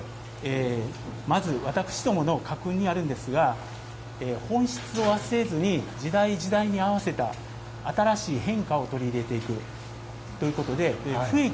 まず、私どもの家訓にあるんですが本質を忘れずに時代時代に合わせた新しい変化を取り入れていくということで不易